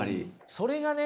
それがね